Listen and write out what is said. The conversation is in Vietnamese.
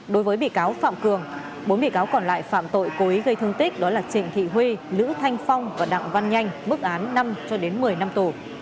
đối với bị cáo phạm cường bốn bị cáo còn lại phạm tội cố ý gây thương tích đó là trịnh thị huy lữ thanh phong và đặng văn nhanh mức án năm cho đến một mươi năm tù